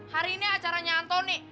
hari ini acaranya antoni